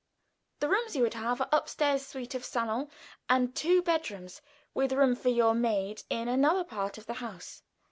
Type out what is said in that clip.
The rooms you would have are upstairs suite of salon and two bedrooms, with room for your maid in another part of the house.